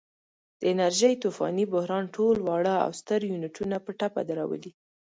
د انرژۍ طوفاني بحران ټول واړه او ستر یونټونه په ټپه درولي.